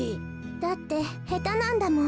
だってへたなんだもん。